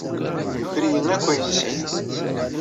Yuker-iyi akk ayen ay sɛiɣ.